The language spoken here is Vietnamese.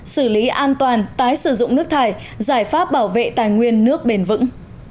xử lý an toàn tái sử dụng nước thải giải pháp bảo vệ tài nguyên nước bền vững